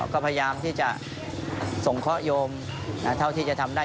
ก็พยายามที่จะส่งเคราะหยมเท่าที่จะทำได้